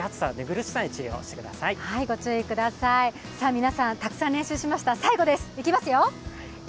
皆さん、たくさん練習しました最後です、いきますよ。